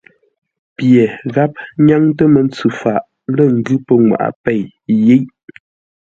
Pye gháp nyáŋtə́ mə́ntsʉ faʼ lə́ ngʉ́ pənŋwaʼa pěi yiʼ.